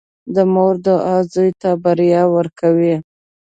• د مور دعا زوی ته بریا ورکوي.